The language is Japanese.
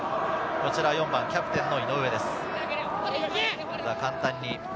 ４番はキャプテンの井上です。